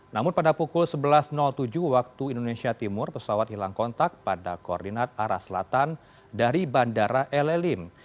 namun pada pukul sebelas tujuh waktu indonesia timur pesawat hilang kontak pada koordinat arah selatan dari bandara eleim